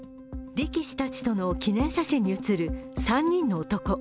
力士たちとの記念写真に写る３人の男。